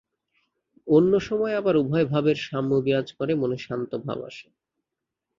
অন্য সময়ে আবার উভয় ভাবের সাম্য বিরাজ করে, মনে শান্ত ভাব আসে।